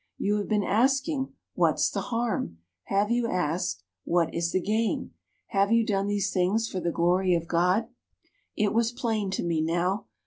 You have been asking, "What's the harm?" Have you asked, "What is the gain?" Have you done these things for the glory of God?' "It was plain to me now.